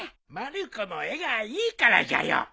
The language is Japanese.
まる子の絵がいいからじゃよ。